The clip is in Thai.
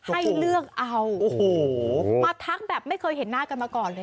ให้เลือกเอาโอ้โหมาทักแบบไม่เคยเห็นหน้ากันมาก่อนเลย